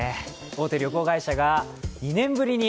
大手旅行会社が２年ぶりに